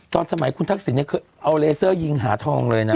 ตอนสมัยคุณทักษิณเนี่ยคือเอาเลเซอร์ยิงหาทองเลยนะ